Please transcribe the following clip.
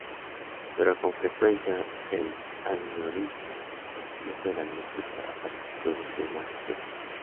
Pero con frecuencia el aneurisma no se diagnostica hasta que se produce una ruptura.